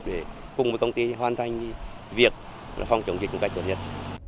để cùng với công ty hoàn thành việc phòng chống dịch một cách tốt nhất